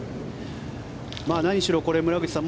何しろ、村口さん